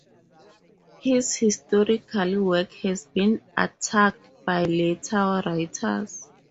His historical work has been attacked by later writers.